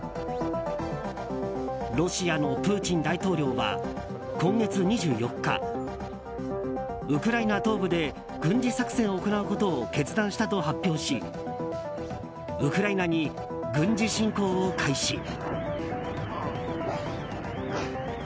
ロシアのプーチン大統領は今月２４日ウクライナ東部で軍事作戦を行うことを決断したと発表しウクライナに軍事侵攻を開始。